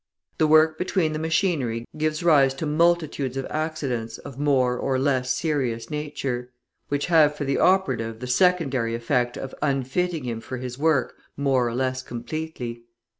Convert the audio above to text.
The work between the machinery gives rise to multitudes of accidents of more or less serious nature, which have for the operative the secondary effect of unfitting him for his work more or less completely.